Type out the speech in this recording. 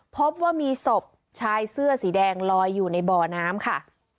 พบว่ามีศพชายเสื้อสีแดงลอยอยู่ในบ่อน้ำค่ะ